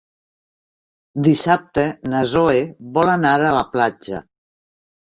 Dissabte na Zoè vol anar a la platja.